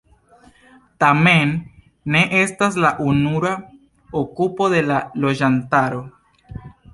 Tamen ne estas la ununura okupo de la loĝantaro.